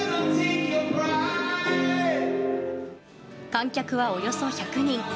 観客はおよそ１００人。